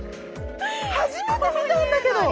初めて見たんだけど！